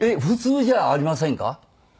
普通じゃありませんか？